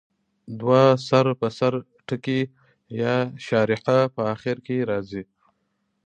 دوه سر په سر ټکي یا شارحه په اخر کې راځي.